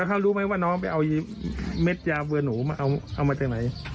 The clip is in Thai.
เขารู้ไหมว่าน้องไปเอาเม็ดยาเบื่อหนูมาเอามาจากไหน